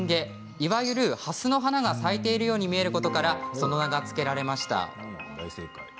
いわゆる、はすの花が咲いているように見えることからその名が付けられました。